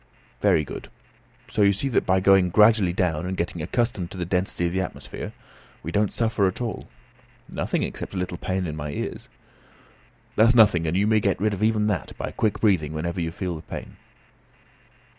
"Very good; so you see that by going gradually down, and getting accustomed to the density of the atmosphere, we don't suffer at all." "Nothing, except a little pain in the ears." "That's nothing, and you may get rid of even that by quick breathing whenever you feel the pain."